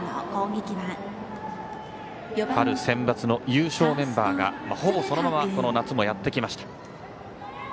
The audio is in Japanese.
春センバツの優勝メンバーがほぼそのままこの夏もやってきました。